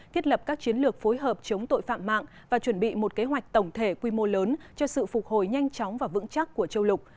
thiết lập các chiến lược phối hợp chống tội phạm mạng và chuẩn bị một kế hoạch tổng thể quy mô lớn cho sự phục hồi nhanh chóng và vững chắc của châu lục